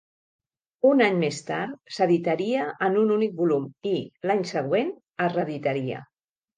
Un any més tard, s'editaria en un únic volum i, l'any següent, es reeditaria.